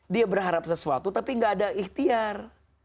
dia berharap sesuatu tapi gak ada ikhtiar